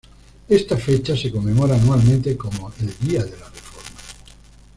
Esta fecha se conmemora anualmente como el Día de la Reforma.